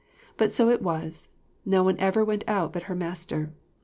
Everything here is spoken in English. But so it was; no one ever went out but her master.